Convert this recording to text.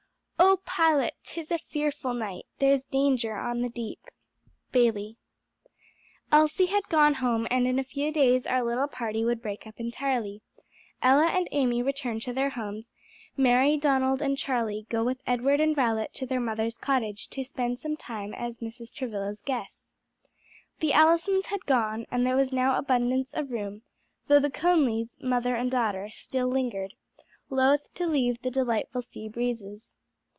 "O pilot! 'tis a fearful night, There's danger on the deep." Bayly. Elsie had gone home, and in a few days our little party would break up entirely, Ella and Amy return to their homes, Mary, Donald and Charlie go with Edward and Violet to their mother's cottage to spend some time as Mrs. Travilla's guests. The Allisons had gone, and there was now abundance of room, though the Conlys, mother and daughter, still lingered, loath to leave the delightful sea breezes.